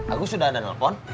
aku sudah ada telepon